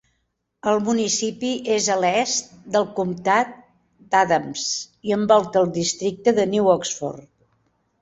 El municipi és a l'est del comtat d'Adams i envolta el districte de New Oxford.